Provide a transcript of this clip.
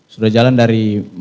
sudah jalan dari